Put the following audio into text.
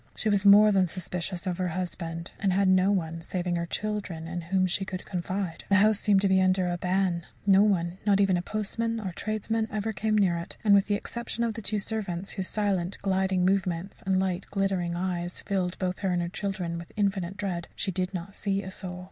She was more than suspicious of her husband, and had no one saving her children in whom she could confide. The house seemed to be under a ban; no one, not even a postman or tradesman, ever came near it, and with the exception of the two servants, whose silent, gliding movements and light glittering eyes filled both her and her children with infinite dread, she did not see a soul.